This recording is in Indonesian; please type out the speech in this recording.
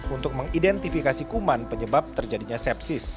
untuk mengidentifikasi kuman penyebab terjadinya sepsis